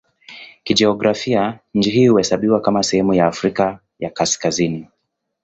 Kijiografia nchi hii huhesabiwa kama sehemu ya Afrika ya Kaskazini.